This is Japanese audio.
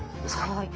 はい。